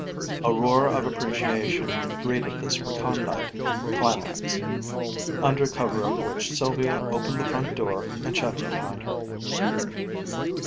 A roar of appreciation greeted this recondite climax, under cover of which Sylvia opened the front door and shut it behind her.